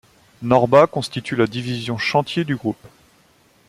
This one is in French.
Norba constitue la division Chantier du groupe.